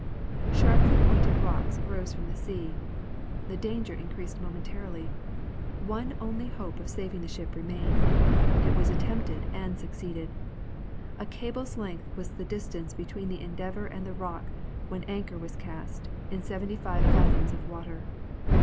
Sharply pointed rocks rose from the sea. The danger increased momentarily, one only hope of saving the ship remained. It was attempted and succeeded. A cable's length was the distance between the Endeavour and the rock when anchor was cast, in seventy five fathoms of water.